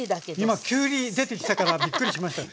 今「きゅうり」出てきたからびっくりしました。